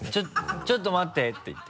「ちょっと待って！」って言って？